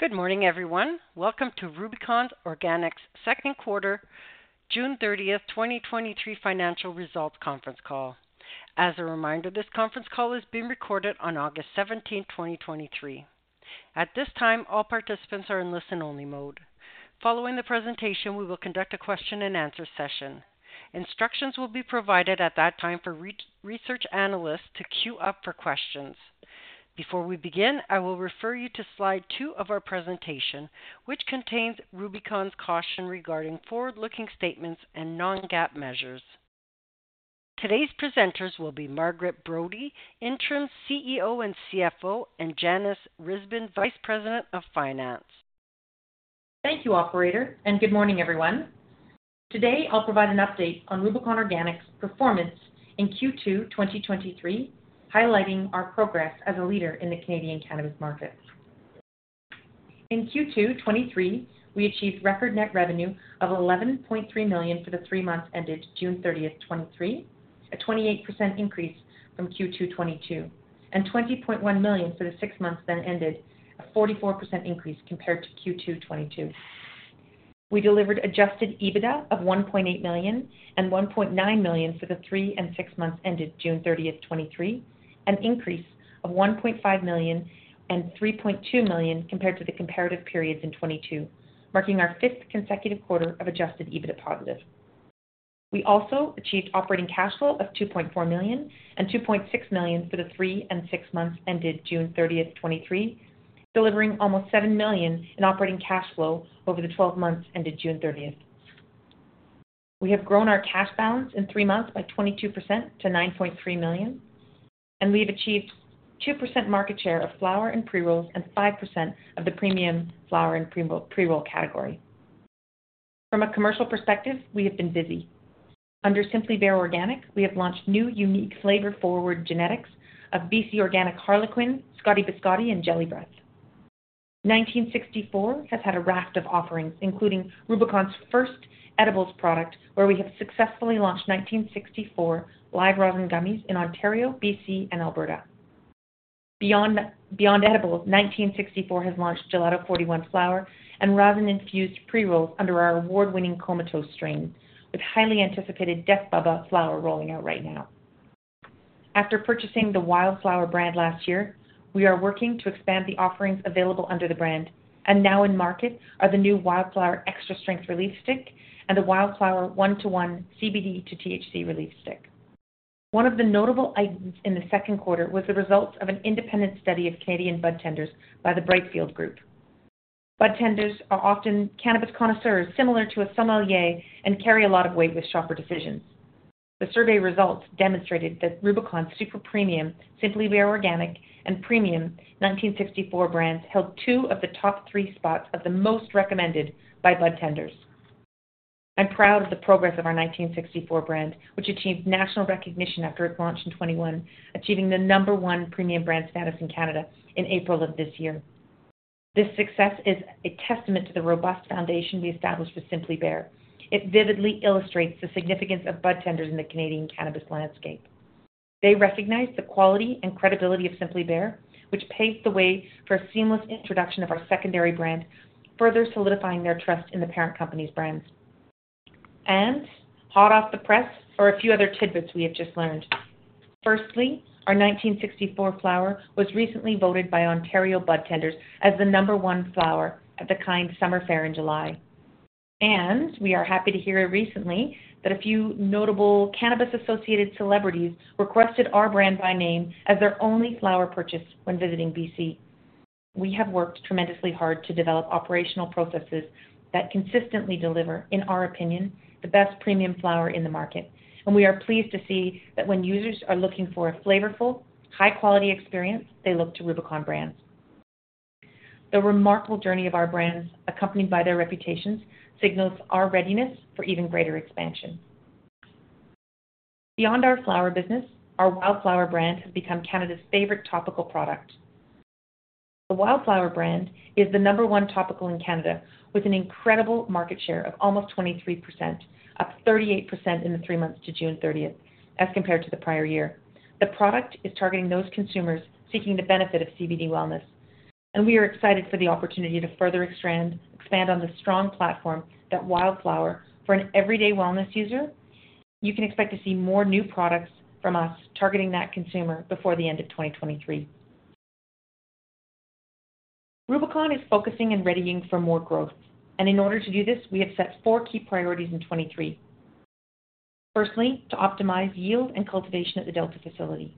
Good morning, everyone. Welcome to Rubicon Organics second quarter, June 30th, 2023 financial results conference call. As a reminder, this conference call is being recorded on August 17th, 2023. At this time, all participants are in listen-only mode. Following the presentation, we will conduct a question-and-answer session. Instructions will be provided at that time for research analysts to queue up for questions. Before we begin, I will refer you to slide two of our presentation, which contains Rubicon's caution regarding forward-looking statements and non-GAAP measures. Today's presenters will be Margaret Brodie, Interim CEO and CFO, and Janis Risbin, Vice President of Finance. Thank you, operator, and good morning, everyone. Today, I'll provide an update on Rubicon Organics' performance in Q2 2023, highlighting our progress as a leader in the Canadian cannabis market. In Q2 2023, we achieved record net revenue of 11.3 million for the three months ended June 30th, 2023, a 28% increase from Q2 2022, and 20.1 million for the six months then ended, a 44% increase compared to Q2 2022. We delivered Adjusted EBITDA of 1.8 million and 1.9 million for the three and six months ended June 30th, 2023, an increase of 1.5 million and 3.2 million compared to the comparative periods in 2022, marking our fifth consecutive quarter of Adjusted EBITDA positive. We also achieved operating cash flow of 2.4 million and 2.6 million for the three and six months ended June 30th, 2023, delivering almost 7 million in operating cash flow over the 12 months ended June 30th. We have grown our cash balance in three months by 22% to 9.3 million. We've achieved 2% market share of flower and pre-rolls and 5% of the premium flower and pre-roll category. From a commercial perspective, we have been busy. Under Simply Bare Organics, we have launched new, unique, flavor-forward genetics of BC Organic Harlequin, Scotti Biscotti, and Jelly Breath. 1964 has had a raft of offerings, including Rubicon's first edibles product, where we have successfully launched 1964 Live Rosin Gummies in Ontario, BC, and Alberta. Beyond edibles, 1964 has launched Gelato #41 flower and rosin-infused pre-rolls under our award-winning Comatose strain, with highly anticipated Death Bubba flower rolling out right now. After purchasing the Wildflower brand last year, we are working to expand the offerings available under the brand, and now in market are the new Wildflower CBD Extra Strength Relief Stick and the Wildflower Extra Strength 1:1 Relief Stick. One of the notable items in the second quarter was the results of an independent study of Canadian budtenders by the Brightfield Group. Budtenders are often cannabis connoisseurs, similar to a sommelier, and carry a lot of weight with shopper decisions. The survey results demonstrated that Rubicon's super-premium Simply Bare Organic and Premium 1964 brands held two of the top three spots of the most recommended by budtenders. I'm proud of the progress of our 1964 brand, which achieved national recognition after its launch in 2021, achieving the number one premium brand status in Canada in April of this year. This success is a testament to the robust foundation we established with Simply Bare. It vividly illustrates the significance of budtenders in the Canadian cannabis landscape. They recognize the quality and credibility of Simply Bare, which paves the way for a seamless introduction of our secondary brand, further solidifying their trust in the parent company's brands. Hot off the press are a few other tidbits we have just learned. Firstly, our 1964 flower was recently voted by Ontario budtenders as the number one flower at the KIND Summer Fair in July. We are happy to hear it recently that a few notable cannabis-associated celebrities requested our brand by name as their only flower purchase when visiting BC. We have worked tremendously hard to develop operational processes that consistently deliver, in our opinion, the best premium flower in the market, and we are pleased to see that when users are looking for a flavorful, high-quality experience, they look to Rubicon brands. The remarkable journey of our brands, accompanied by their reputations, signals our readiness for even greater expansion. Beyond our flower business, our Wildflower brand has become Canada's favorite topical product. The Wildflower brand is the number one topical in Canada, with an incredible market share of almost 23%, up 38% in the three months to June 30th as compared to the prior year. The product is targeting those consumers seeking the benefit of CBD wellness, and we are excited for the opportunity to further expand, expand on the strong platform that Wildflower. For an everyday wellness user, you can expect to see more new products from us targeting that consumer before the end of 2023. Rubicon is focusing and readying for more growth. In order to do this, we have set four key priorities in 2023. Firstly, to optimize yield and cultivation at the Delta facility.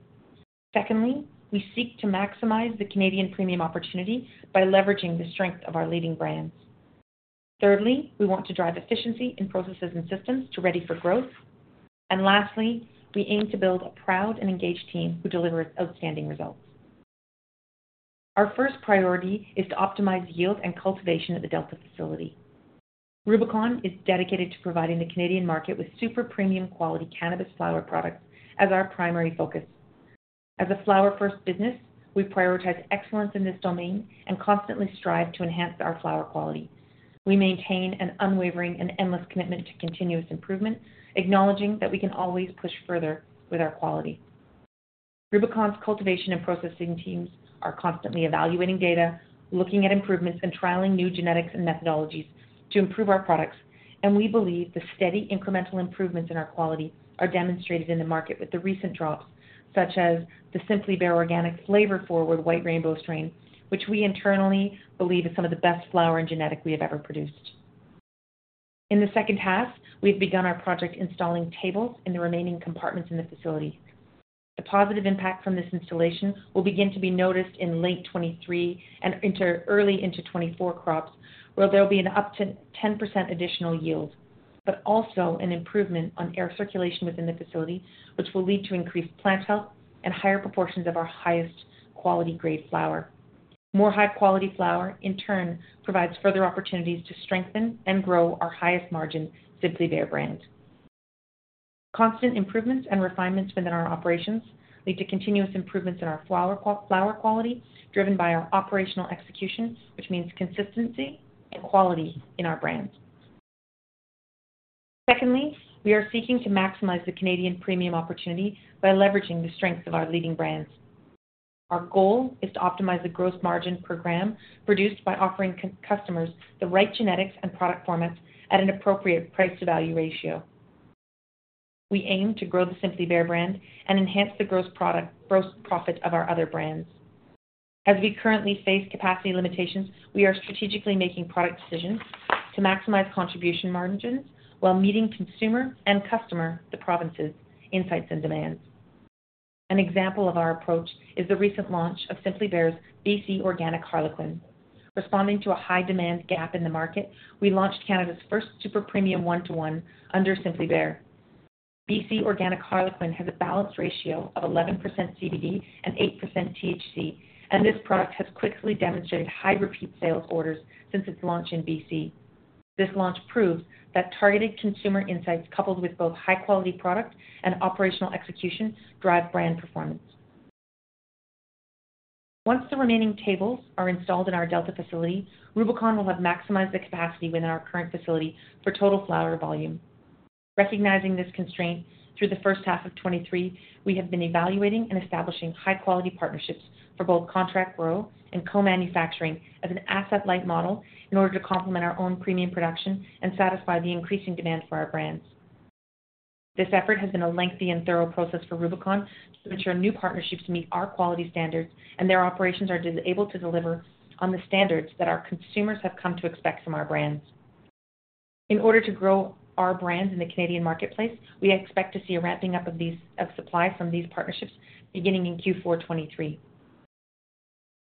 Secondly, we seek to maximize the Canadian premium opportunity by leveraging the strength of our leading brands. Thirdly, we want to drive efficiency in processes and systems to ready for growth. Lastly, we aim to build a proud and engaged team who delivers outstanding results. Our first priority is to optimize yield and cultivation at the Delta facility. Rubicon is dedicated to providing the Canadian market with super premium quality cannabis flower products as our primary focus. As a flower-first business, we prioritize excellence in this domain and constantly strive to enhance our flower quality. We maintain an unwavering and endless commitment to continuous improvement, acknowledging that we can always push further with our quality. Rubicon's cultivation and processing teams are constantly evaluating data, looking at improvements, and trialing new genetics and methodologies to improve our products. We believe the steady incremental improvements in our quality are demonstrated in the market with the recent drops, such as the Simply Bare Organic flavor-forward White Rainbow strain, which we internally believe is some of the best flower and genetic we have ever produced. In the second half, we've begun our project, installing tables in the remaining compartments in the facility. The positive impact from this installation will begin to be noticed in late 2023 and early into 2024 crops, where there will be an up to 10% additional yield, but also an improvement on air circulation within the facility, which will lead to increased plant health and higher proportions of our highest quality grade flower. More high-quality flower, in turn, provides further opportunities to strengthen and grow our highest margin, Simply Bare brands. Constant improvements and refinements within our operations lead to continuous improvements in our flower quality, driven by our operational executions, which means consistency and quality in our brands. Secondly, we are seeking to maximize the Canadian premium opportunity by leveraging the strength of our leading brands. Our goal is to optimize the gross margin per gram produced by offering customers the right genetics and product formats at an appropriate price-to-value ratio. We aim to grow the Simply Bare brand and enhance the gross profit of our other brands. As we currently face capacity limitations, we are strategically making product decisions to maximize contribution margins while meeting consumer and customer, the provinces, insights and demands. An example of our approach is the recent launch of Simply Bare's BC Organic Harlequin. Responding to a high demand gap in the market, we launched Canada's first super premium 1:1 under Simply Bare. BC Organic Harlequin has a balanced ratio of 11% CBD and 8% THC, this product has quickly demonstrated high repeat sales orders since its launch in BC. This launch proves that targeted consumer insights, coupled with both high-quality product and operational execution, drive brand performance. Once the remaining tables are installed in our Delta facility, Rubicon will have maximized the capacity within our current facility for total flower volume. Recognizing this constraint, through the first half of 2023, we have been evaluating and establishing high-quality partnerships for both contract grow and co-manufacturing as an asset-light model in order to complement our own premium production and satisfy the increasing demand for our brands. This effort has been a lengthy and thorough process for Rubicon to ensure new partnerships meet our quality standards, and their operations are able to deliver on the standards that our consumers have come to expect from our brands. In order to grow our brands in the Canadian marketplace, we expect to see a ramping up of supply from these partnerships beginning in Q4 2023.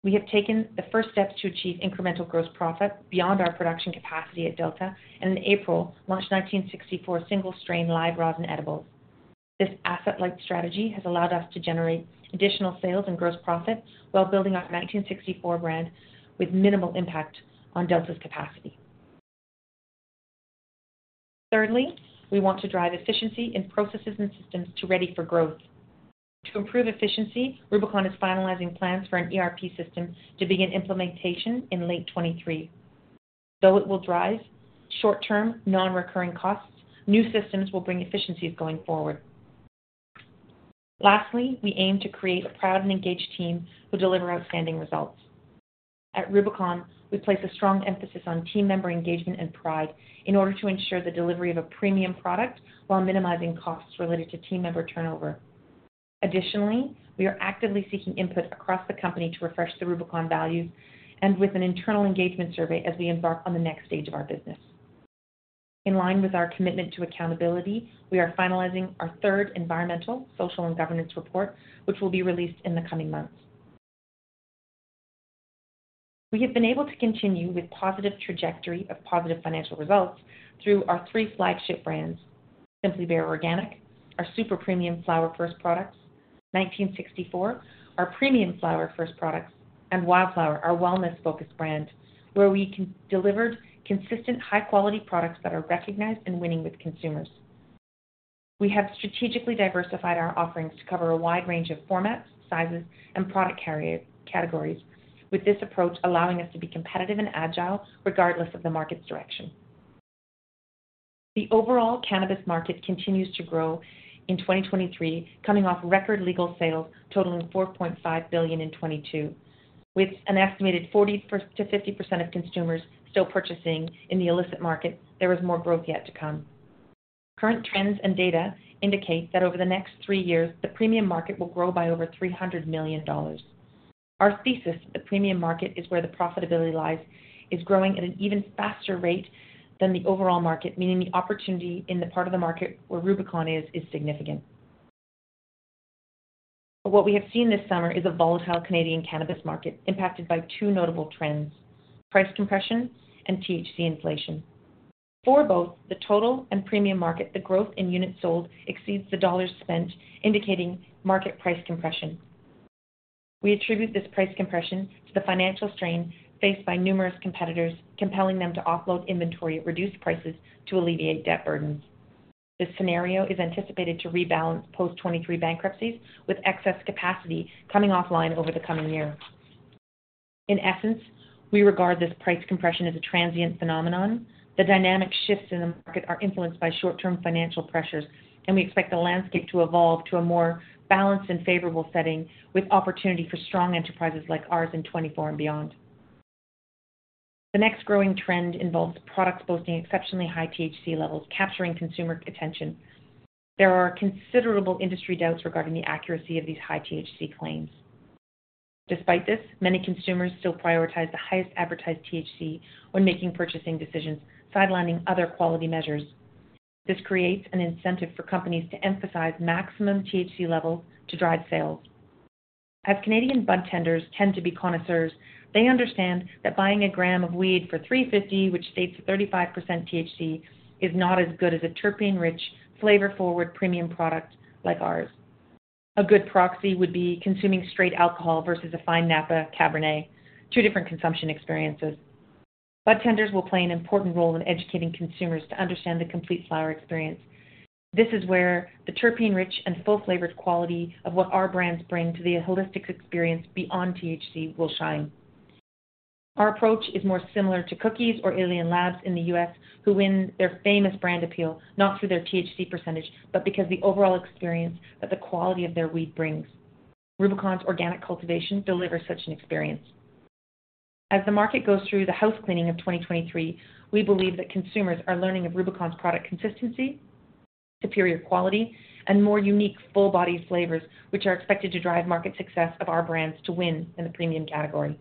We have taken the first steps to achieve incremental gross profit beyond our production capacity at Delta. In April, launched 1964 single-strain live rosin edibles. This asset-light strategy has allowed us to generate additional sales and gross profit while building our 1964 brand with minimal impact on Delta's capacity. Thirdly, we want to drive efficiency in processes and systems to ready for growth. To improve efficiency, Rubicon is finalizing plans for an ERP system to begin implementation in late 2023. Though it will drive short-term, non-recurring costs, new systems will bring efficiencies going forward. Lastly, we aim to create a proud and engaged team who deliver outstanding results. At Rubicon, we place a strong emphasis on team member engagement and pride in order to ensure the delivery of a premium product while minimizing costs related to team member turnover. Additionally, we are actively seeking input across the company to refresh the Rubicon values and with an internal engagement survey as we embark on the next stage of our business. In line with our commitment to accountability, we are finalizing our third environmental, social, and governance report, which will be released in the coming months. We have been able to continue with positive trajectory of positive financial results through our three flagship brands, Simply Bare Organic, our super premium flower-first products, 1964, our premium flower-first products, and Wildflower, our wellness-focused brand, where we delivered consistent, high-quality products that are recognized and winning with consumers. We have strategically diversified our offerings to cover a wide range of formats, sizes, and product categories, with this approach allowing us to be competitive and agile, regardless of the market's direction. The overall cannabis market continues to grow in 2023, coming off record legal sales totaling 4.5 billion in 2022. With an estimated 40%-50% of consumers still purchasing in the illicit market, there is more growth yet to come. Current trends and data indicate that over the next three years, the premium market will grow by over 300 million dollars. Our thesis, the premium market, is where the profitability lies, is growing at an even faster rate than the overall market, meaning the opportunity in the part of the market where Rubicon is, is significant. What we have seen this summer is a volatile Canadian cannabis market impacted by two notable trends: price compression and THC inflation. For both the total and premium market, the growth in units sold exceeds the dollars spent, indicating market price compression. We attribute this price compression to the financial strain faced by numerous competitors, compelling them to offload inventory at reduced prices to alleviate debt burdens. This scenario is anticipated to rebalance post-2023 bankruptcies, with excess capacity coming offline over the coming year. In essence, we regard this price compression as a transient phenomenon. The dynamic shifts in the market are influenced by short-term financial pressures, and we expect the landscape to evolve to a more balanced and favorable setting, with opportunity for strong enterprises like ours in 2024 and beyond. The next growing trend involves products boasting exceptionally high THC levels, capturing consumer attention. There are considerable industry doubts regarding the accuracy of these high THC claims. Despite this, many consumers still prioritize the highest advertised THC when making purchasing decisions, sidelining other quality measures. This creates an incentive for companies to emphasize maximum THC levels to drive sales. As Canadian budtenders tend to be connoisseurs, they understand that buying a gram of weed for 3.50, which states 35% THC, is not as good as a terpene-rich, flavor-forward premium product like ours. A good proxy would be consuming straight alcohol versus a fine Napa Cabernet. Two different consumption experiences. Budtenders will play an important role in educating consumers to understand the complete flower experience. This is where the terpene-rich and full-flavored quality of what our brands bring to the holistic experience beyond THC will shine. Our approach is more similar to Cookies or Alien Labs in the US, who win their famous brand appeal, not through their THC percentage, but because the overall experience that the quality of their weed brings. Rubicon's organic cultivation delivers such an experience. As the market goes through the house cleaning of 2023, we believe that consumers are learning of Rubicon's product consistency, superior quality, and more unique, full-bodied flavors, which are expected to drive market success of our brands to win in the premium category.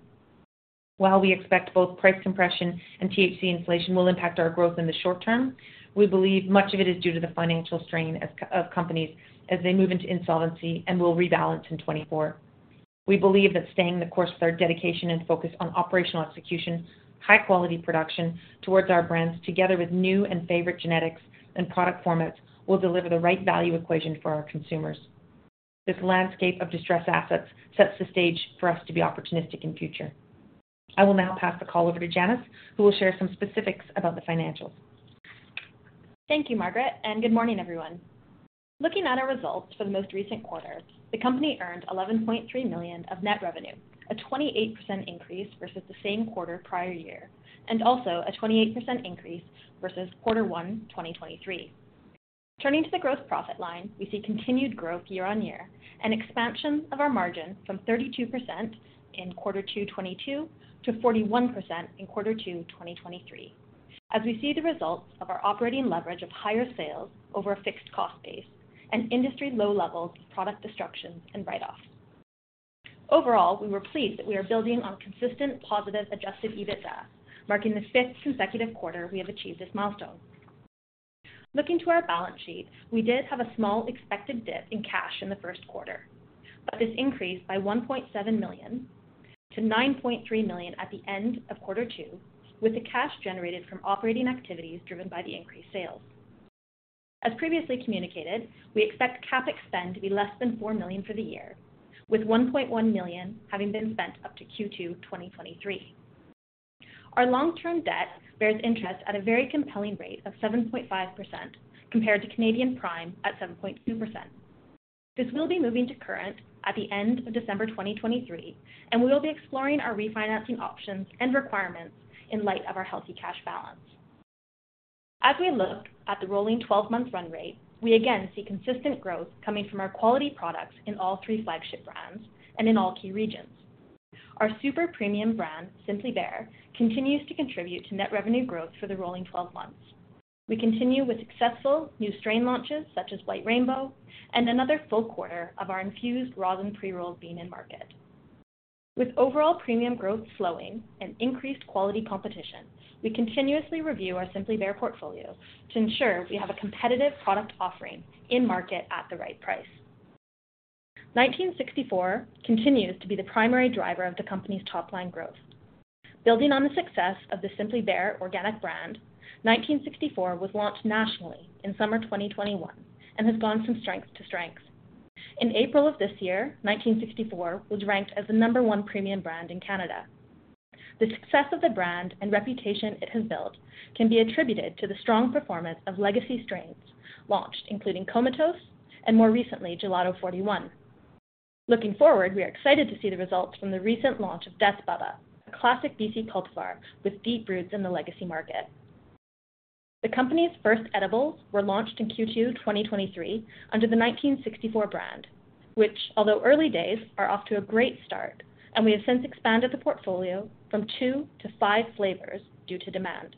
While we expect both price compression and THC inflation will impact our growth in the short term, we believe much of it is due to the financial strain of companies as they move into insolvency and will rebalance in 2024. We believe that staying the course with our dedication and focus on operational execution, high quality production towards our brands, together with new and favorite genetics and product formats, will deliver the right value equation for our consumers. This landscape of distressed assets sets the stage for us to be opportunistic in future. I will now pass the call over to Janis, who will share some specifics about the financials. Thank you, Margaret, and good morning, everyone. Looking at our results for the most recent quarter, the company earned 11.3 million of net revenue, a 28% increase versus the same quarter prior year, and also a 28% increase versus Quarter One, 2023. Turning to the gross profit line, we see continued growth year on year, an expansion of our margin from 32% in Quarter Two, 2022, to 41% in Quarter Two, 2023. As we see the results of our operating leverage of higher sales over a fixed cost base and industry-low levels of product destruction and write-offs. Overall, we were pleased that we are building on consistent, positive, Adjusted EBITDA, marking the fifth consecutive quarter we have achieved this milestone. Looking to our balance sheet, we did have a small expected dip in cash in the first quarter, but this increased by $1.7 million to $9.3 million at the end of Quarter Two, with the cash generated from operating activities driven by the increased sales. As previously communicated, we expect CapEx spend to be less than $4 million for the year, with $1.1 million having been spent up to Q2, 2023. Our long-term debt bears interest at a very compelling rate of 7.5%, compared to Canadian Prime at 7.2%. This will be moving to current at the end of December 2023, and we will be exploring our refinancing options and requirements in light of our healthy cash balance. As we look at the rolling 12-month run rate, we again see consistent growth coming from our quality products in all three flagship brands and in all key regions. Our super premium brand, Simply Bare, continues to contribute to net revenue growth for the rolling 12 months. We continue with successful new strain launches, such as White Rainbow, and another full quarter of our infused rosin pre-rolls being in market. With overall premium growth slowing and increased quality competition, we continuously review our Simply Bare portfolio to ensure we have a competitive product offering in market at the right price. 1964 continues to be the primary driver of the company's top-line growth. Building on the success of the Simply Bare Organic brand, 1964 was launched nationally in summer 2021 and has gone from strength to strength. In April of this year, 1964 was ranked as the number one premium brand in Canada. The success of the brand and reputation it has built can be attributed to the strong performance of legacy strains launched, including Comatose and more recently, Gelato #41. Looking forward, we are excited to see the results from the recent launch of Death Bubba, a classic BC cultivar with deep roots in the legacy market. The company's first edibles were launched in Q2 2023, under the 1964 brand, which, although early days, are off to a great start, and we have since expanded the portfolio from two to five flavors due to demand.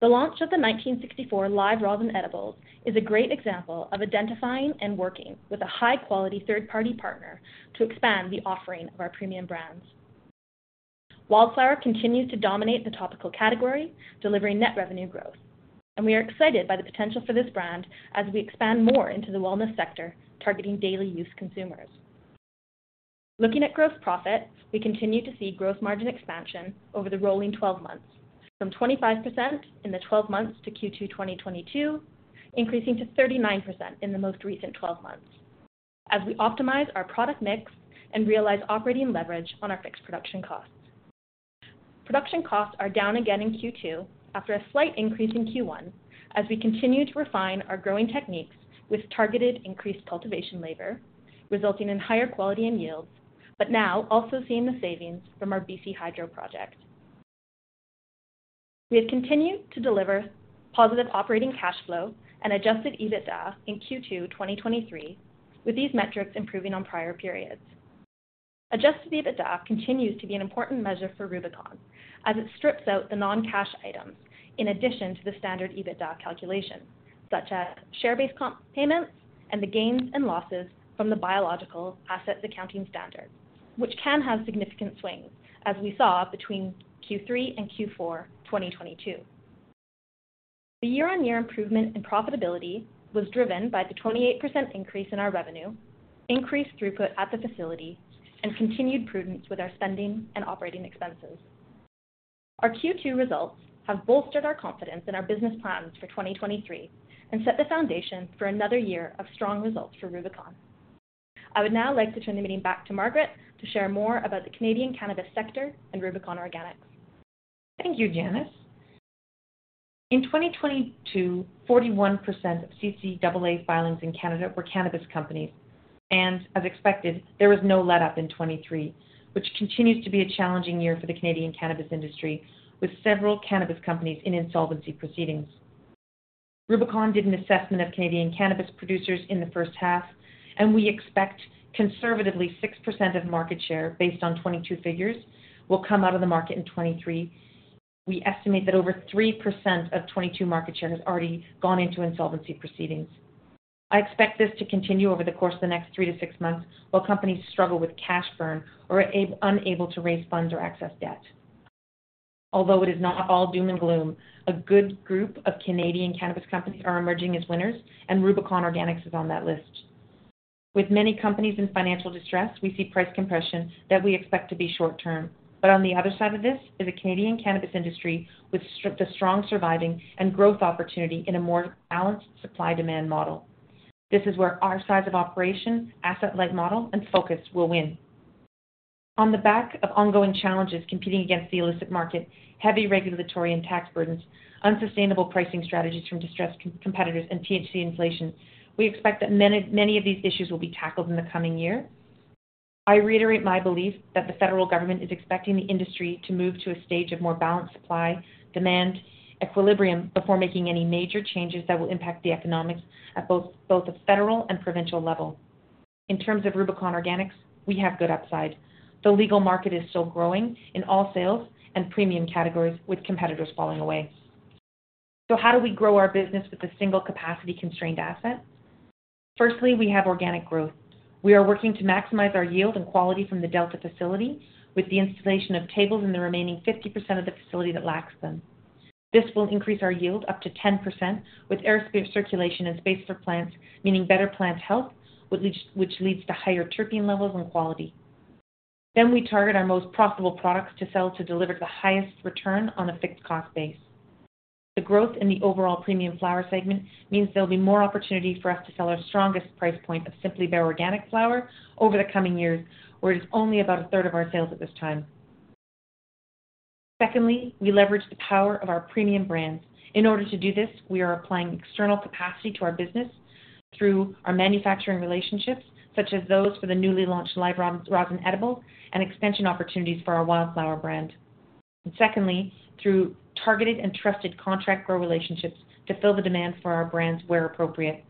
The launch of the 1964 live rosin edibles is a great example of identifying and working with a high-quality third-party partner to expand the offering of our premium brands. Wildflower continues to dominate the topical category, delivering net revenue growth, and we are excited by the potential for this brand as we expand more into the wellness sector, targeting daily use consumers. Looking at gross profit, we continue to see growth margin expansion over the rolling 12 months, from 25% in the 12 months to Q2 2022, increasing to 39% in the most recent 12 months as we optimize our product mix and realize operating leverage on our fixed production costs. Production costs are down again in Q2 after a slight increase in Q1 as we continue to refine our growing techniques with targeted increased cultivation labor, resulting in higher quality and yields, but now also seeing the savings from our BC Hydro project. We have continued to deliver positive operating cash flow and adjusted EBITDA in Q2 2023, with these metrics improving on prior periods. Adjusted EBITDA continues to be an important measure for Rubicon, as it strips out the non-cash items in addition to the standard EBITDA calculation, such as share-based comp payments and the gains and losses from the biological asset accounting standard, which can have significant swings, as we saw between Q3 and Q4 2022. The year-on-year improvement in profitability was driven by the 28% increase in our revenue, increased throughput at the facility, and continued prudence with our spending and operating expenses. Our Q2 results have bolstered our confidence in our business plans for 2023 and set the foundation for another year of strong results for Rubicon. I would now like to turn the meeting back to Margaret to share more about the Canadian cannabis sector and Rubicon Organics. Thank you, Janis. In 2022, 41% of CCAA filings in Canada were cannabis companies. As expected, there was no letup in 2023, which continues to be a challenging year for the Canadian cannabis industry, with several cannabis companies in insolvency proceedings. Rubicon did an assessment of Canadian cannabis producers in the first half. We expect conservatively 6% of market share, based on 2022 figures, will come out of the market in 2023. We estimate that over 3% of 2022 market share has already gone into insolvency proceedings. I expect this to continue over the course of the next 3-6 months, while companies struggle with cash burn or are unable to raise funds or access debt. Although it is not all doom and gloom, a good group of Canadian cannabis companies are emerging as winners, and Rubicon Organics is on that list. With many companies in financial distress, we see price compression that we expect to be short-term. On the other side of this is a Canadian cannabis industry with the strong surviving and growth opportunity in a more balanced supply-demand model. This is where our size of operations, asset-light model, and focus will win. On the back of ongoing challenges, competing against the illicit market, heavy regulatory and tax burdens, unsustainable pricing strategies from distressed competitors, and THC inflation, we expect that many, many of these issues will be tackled in the coming year. I reiterate my belief that the federal government is expecting the industry to move to a stage of more balanced supply, demand, equilibrium, before making any major changes that will impact the economics at both, both the federal and provincial level. In terms of Rubicon Organics, we have good upside. The legal market is still growing in all sales and premium categories, with competitors falling away. How do we grow our business with a single capacity-constrained asset? Firstly, we have organic growth. We are working to maximize our yield and quality from the Delta facility, with the installation of tables in the remaining 50% of the facility that lacks them. This will increase our yield up to 10%, with air circulation and space for plants, meaning better plant health, which leads to higher terpene levels and quality. We target our most profitable products to sell to deliver the highest return on a fixed cost base. The growth in the overall premium flower segment means there'll be more opportunity for us to sell our strongest price point of Simply Bare organic flower over the coming years, where it is only about a third of our sales at this time. Secondly, we leverage the power of our premium brands. In order to do this, we are applying external capacity to our business through our manufacturing relationships, such as those for the newly launched live rosin edibles and expansion opportunities for our Wildflower brand. Secondly, through targeted and trusted contract grow relationships to fill the demand for our brands where appropriate.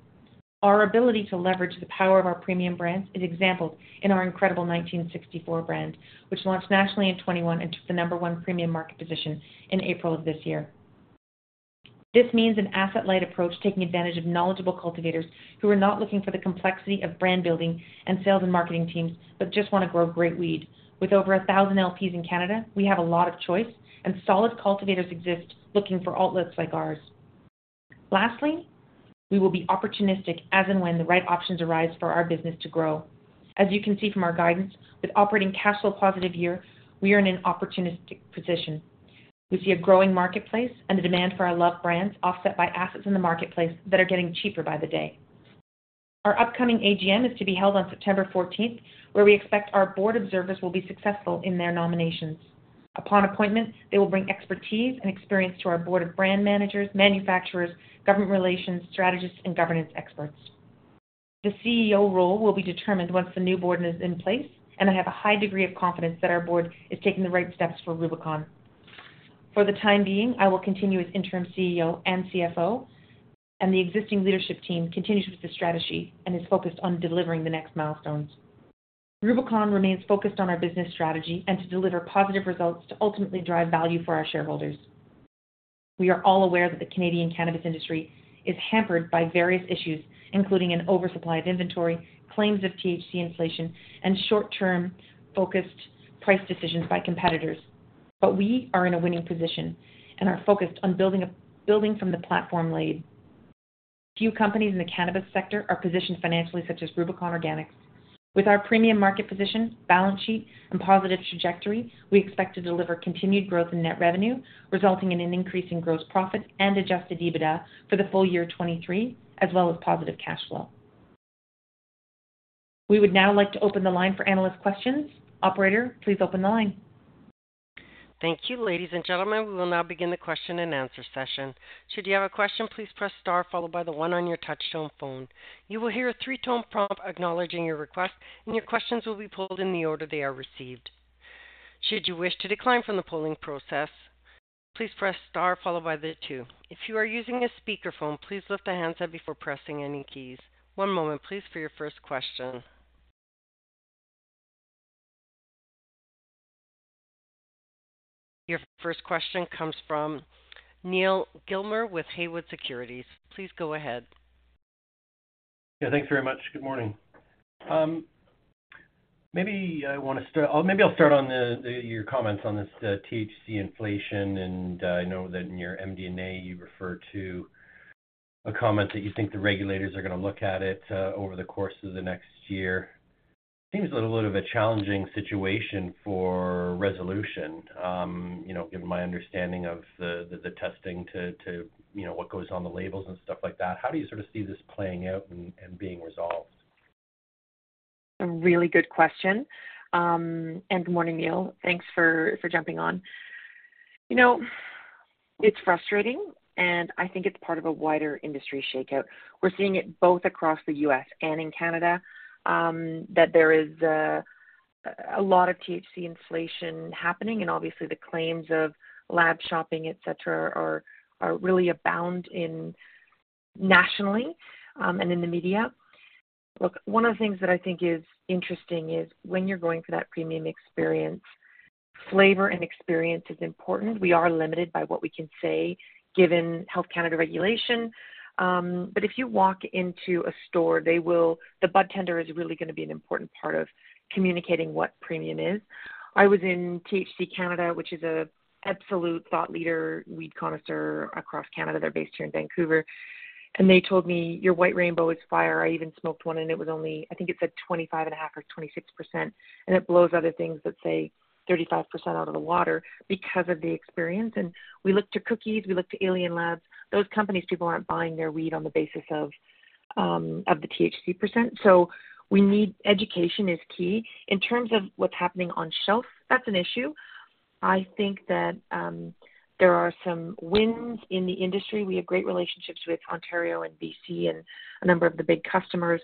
Our ability to leverage the power of our premium brands is exampled in our incredible 1964 brand, which launched nationally in 2021 and took the number one premium market position in April of this year. This means an asset-light approach, taking advantage of knowledgeable cultivators who are not looking for the complexity of brand building and sales and marketing teams, but just want to grow great weed. With over 1,000 LPs in Canada, we have a lot of choice, and solid cultivators exist looking for outlets like ours. Lastly, we will be opportunistic as and when the right options arise for our business to grow. As you can see from our guidance, with operating cash flow positive year, we are in an opportunistic position. We see a growing marketplace and the demand for our loved brands, offset by assets in the marketplace that are getting cheaper by the day. Our upcoming AGM is to be held on September 14th, where we expect our board observers will be successful in their nominations. Upon appointment, they will bring expertise and experience to our board of brand managers, manufacturers, government relations, strategists, and governance experts. The CEO role will be determined once the new board is in place, and I have a high degree of confidence that our board is taking the right steps for Rubicon. For the time being, I will continue as Interim CEO and CFO, and the existing leadership team continues with the strategy and is focused on delivering the next milestones. Rubicon remains focused on our business strategy and to deliver positive results to ultimately drive value for our shareholders. We are all aware that the Canadian cannabis industry is hampered by various issues, including an oversupply of inventory, claims of THC inflation, and short-term focused price decisions by competitors. We are in a winning position and are focused on building from the platform laid. Few companies in the cannabis sector are positioned financially, such as Rubicon Organics. With our premium market position, balance sheet, and positive trajectory, we expect to deliver continued growth in net revenue, resulting in an increase in gross profit and Adjusted EBITDA for the full year 2023, as well as positive cash flow. We would now like to open the line for analyst questions. Operator, please open the line. Thank you, ladies and gentlemen, we will now begin the question and answer session. Should you have a question, please press star followed by the one on your touchtone phone. You will hear a 3-tone prompt acknowledging your request, and your questions will be pulled in the order they are received. Should you wish to decline from the polling process, please press star followed by the two. If you are using a speakerphone, please lift the handset before pressing any keys. one moment, please, for your first question. Your first question comes from Neal Gilmer with Haywood Securities. Please go ahead. Yeah, thanks very much. Good morning. maybe I want to start or maybe I'll start on the, the, your comments on this, the THC inflation, and I know that in your MD&A, you refer to a comment that you think the regulators are going to look at it over the course of the next year. Seems a little bit of a challenging situation for resolution, you know, given my understanding of the, the, the testing to, to, you know, what goes on the labels and stuff like that. How do you sort of see this playing out and, and being resolved? A really good question. Good morning, Neal. Thanks for, for jumping on. You know, it's frustrating, and I think it's part of a wider industry shakeout. We're seeing it both across the U.S. and in Canada, that there is a lot of THC inflation happening, and obviously, the claims of lab shopping, et cetera, are, are really abound in nationally and in the media. Look, one of the things that I think is interesting is when you're going for that premium experience, flavor and experience is important. We are limited by what we can say, given Health Canada regulation. But if you walk into a store, they will. The budtender is really going to be an important part of communicating what premium is. I was in THC Canada, which is an absolute thought leader, weed connoisseur across Canada. They're based here in Vancouver, they told me, "Your White Rainbow is fire." I even smoked one, and it was only, I think it said 25.5 or 26%, and it blows other things that say 35% out of the water because of the experience. We look to Cookies, we look to Alien Labs, those companies, people aren't buying their weed on the basis of the THC%. We need, education is key. In terms of what's happening on shelf, that's an issue. I think that there are some winds in the industry. We have great relationships with Ontario and BC and a number of the big customers.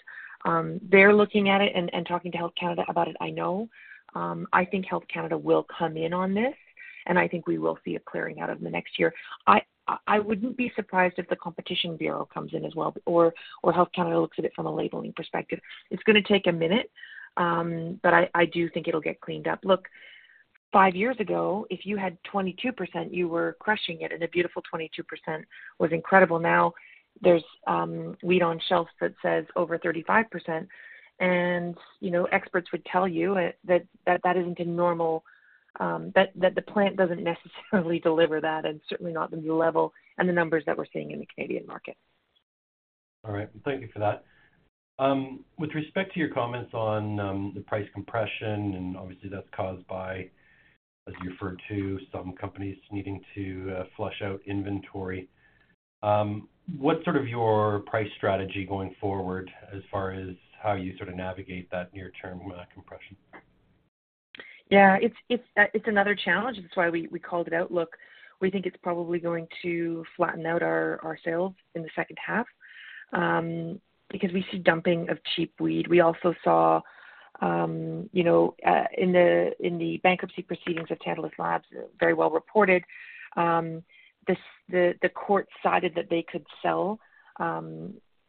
They're looking at it and talking to Health Canada about it, I know. I think Health Canada will come in on this, and I think we will see a clearing out in the next year. I, I wouldn't be surprised if the Competition Bureau comes in as well, or Health Canada looks at it from a labeling perspective. It's going to take a minute, but I, I do think it'll get cleaned up. Look, five years ago, if you had 22%, you were crushing it, and a beautiful 22% was incredible. Now, there's weed on shelves that says over 35%, and, you know, experts would tell you that, that, that isn't a normal, that, that the plant doesn't necessarily deliver that and certainly not the level and the numbers that we're seeing in the Canadian market. All right. Thank you for that. With respect to your comments on the price compression, and obviously, that's caused by, as you referred to, some companies needing to flush out inventory. What's sort of your price strategy going forward as far as how you sort of navigate that near-term compression? Yeah, it's, it's, it's another challenge. That's why we, we called it out. Look, we think it's probably going to flatten out our, our sales in the second half, because we see dumping of cheap weed. We also saw, you know, in the, in the bankruptcy proceedings of Tantalus Labs, very well reported, the, the court cited that they could sell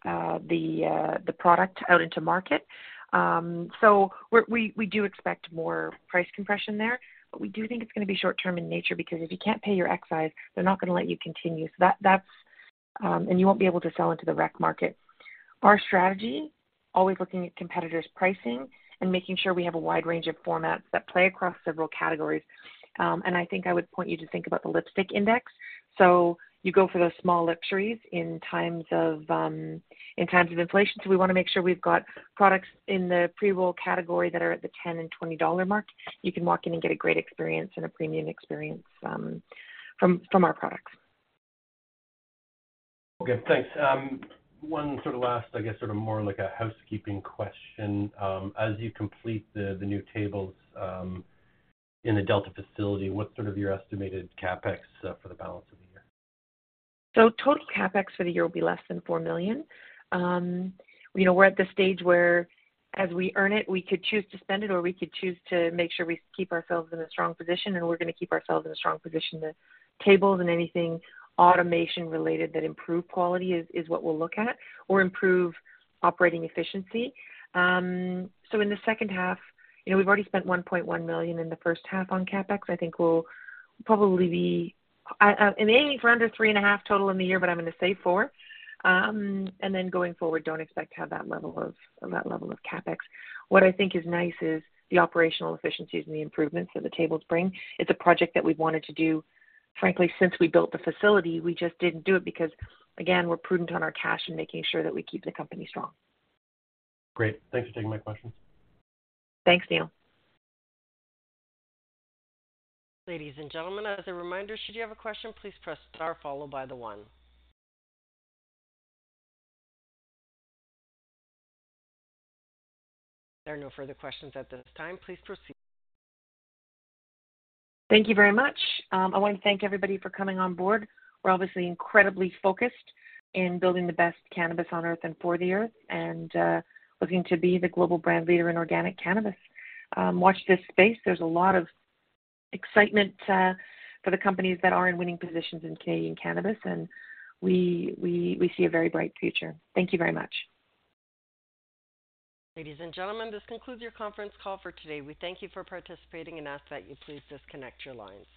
the product out into market. We're, we, we do expect more price compression there, but we do think it's going to be short term in nature, because if you can't pay your excise, they're not going to let you continue. You won't be able to sell into the recreational market. Our strategy, always looking at competitors' pricing and making sure we have a wide range of formats that play across several categories. I think I would point you to think about the lipstick index. You go for those small luxuries in times of, in times of inflation. We want to make sure we've got products in the pre-roll category that are at the 10 and 20 dollar mark. You can walk in and get a great experience and a premium experience, from our products. Okay, thanks. 1 sort of last, I guess, sort of more like a housekeeping question. As you complete the, the new tables, in the Delta facility, what's sort of your estimated CapEx for the balance of the year? Total CapEx for the year will be less than 4 million. You know, we're at the stage where as we earn it, we could choose to spend it, or we could choose to make sure we keep ourselves in a strong position, and we're going to keep ourselves in a strong position. The tables and anything automation related that improve quality is, is what we'll look at or improve operating efficiency. In the second half, you know, we've already spent 1.1 million in the first half on CapEx. I think we'll probably be, I'm aiming for under 3.5 million total in the year, but I'm going to say 4 million. Going forward, don't expect to have that level of, that level of CapEx. What I think is nice is the operational efficiencies and the improvements that the tables bring. It's a project that we've wanted to do, frankly, since we built the facility. We just didn't do it because, again, we're prudent on our cash and making sure that we keep the company strong. Great. Thanks for taking my questions. Thanks, Neal. Ladies and gentlemen, as a reminder, should you have a question, please press star followed by the 1. There are no further questions at this time. Please proceed. Thank you very much. I want to thank everybody for coming on board. We're obviously incredibly focused in building the best cannabis on Earth and for the Earth, and looking to be the global brand leader in organic cannabis. Watch this space. There's a lot of excitement for the companies that are in winning positions in Canadian cannabis, and we, we, we see a very bright future. Thank you very much. Ladies and gentlemen, this concludes your conference call for today. We thank you for participating and ask that you please disconnect your lines.